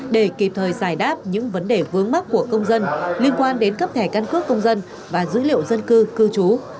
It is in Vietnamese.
để kịp thời giải đáp những vấn đề vướng mắt của công dân liên quan đến cấp thẻ căn cước công dân và dữ liệu dân cư cư trú